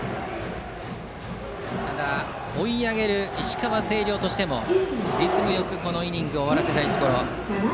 ただ、追い上げる石川・星稜としてもリズムよくこのイニングを終わらせたいところ。